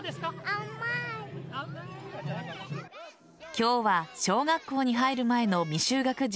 今日は小学校に入る前の未就学児